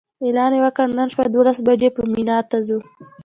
اعلان یې وکړ نن شپه دولس بجې به مینا ته ځو.